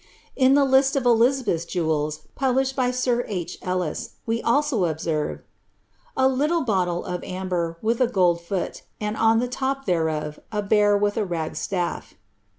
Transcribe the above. In the list of Elizabeth's jewels, published by sir H. Ellis, we also observe, ^ a little bottle of amber, with a gold foot, and on the top thereof a bear with a ragged staff."